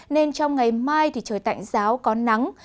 nên trong ngày mai thì trời tạnh giáo có nắng